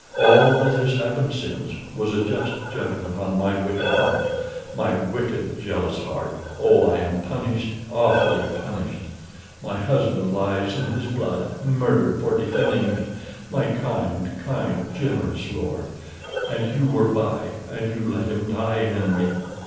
All that has happened since, was a just judgment on my wicked heart my wicked jealous heart. Oh, I am punished awfully punished! My husband lies in his blood murdered for defending me, my kind, kind, generous lord and you were by, and you let him die, Henry!"